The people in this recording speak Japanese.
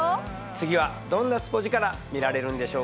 次はどんなスポヂカラ見られるんでしょうか。